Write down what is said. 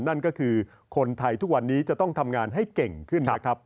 นั่นก็คือคนไทยทุกวันนี้จะต้องทำงานให้เก่งขึ้นนะครับ